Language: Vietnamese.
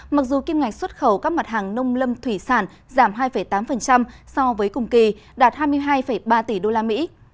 mặc dù kim ngạch xuất khẩu các mặt hàng nông lâm thủy sản giảm hai tám so với cùng kỳ đạt hai mươi hai ba tỷ usd